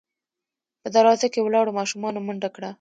په دروازه کې ولاړو ماشومانو منډه کړه.